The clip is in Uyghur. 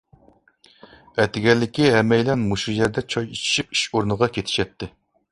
ئەتىگەنلىكى ھەممەيلەن مۇشۇ يەردە چاي ئىچىشىپ ئىش ئورنىغا كېتىشەتتى.